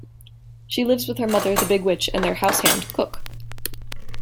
She lives with her mother, the Big Witch, and their house-hand, Cook.